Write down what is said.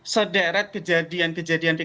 sederet kejadian kejadian di